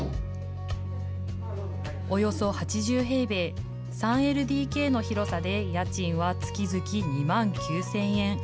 およそ８０平米、３ＬＤＫの広さで、家賃は月々２万９０００円。